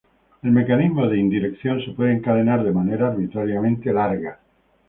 El mecanismo de in-dirección se puede encadenar de manera arbitrariamente larga.